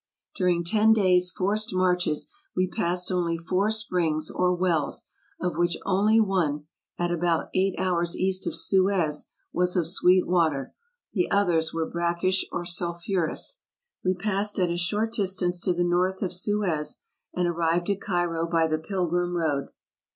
During ten days' forced marches we passed only four springs or wells, of which one only, at about eight hours east of Suez, was of sweet water. The others were brackish or sulphur ous. We passed at a short distance to the north of Suez, and arrived at Cairo by the pilgrim road.